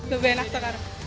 lebih enak sekarang